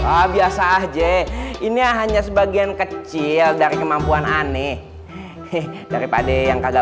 wah biasa aja ini hanya sebagian kecil dari kemampuan aneh daripada yang kagak